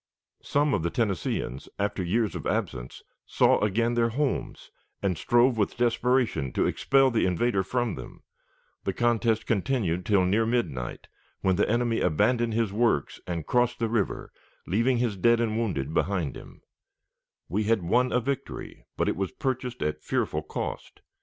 Some of the Tennesseeans, after years of absence, saw again their homes, and strove with desperation to expel the invader from them; the contest continued till near midnight, when the enemy abandoned his works and crossed the river, leaving his dead and wounded behind him, We had won a victory, but it was purchased at fearful cost.